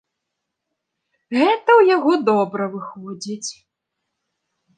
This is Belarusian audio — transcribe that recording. Гэта ў яго добра выходзіць.